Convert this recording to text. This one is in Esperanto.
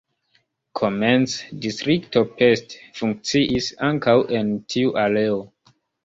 Komence „Distrikto Pest” funkciis ankaŭ en tiu areo.